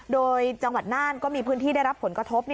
โดยจังหวัดน่านก็มีพื้นที่ได้รับผลกระทบ